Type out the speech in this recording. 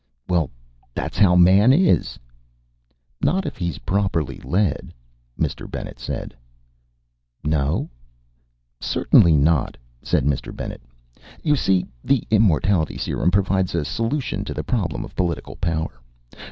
"Well, that's how Man is." "Not if he's properly led," Mr. Bennet said. "No?" "Certainly not," said Mr. Bennet. "You see, the immortality serum provides a solution to the problem of political power.